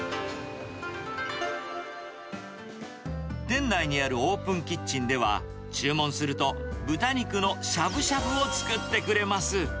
店内にあるオープンキッチンでは、注文すると、豚肉のしゃぶしゃぶを作ってくれます。